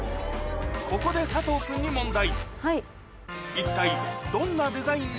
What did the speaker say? ここで佐藤君に問題はい。